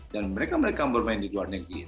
dan mereka mereka bermain di luar negeri